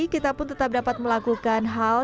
kita pun tetap dapat melakukan hal